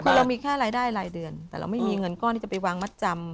คือเรามีแค่รายได้รายเดือนแต่เราไม่มีเงินก้อนที่จะไปวางมัดจำ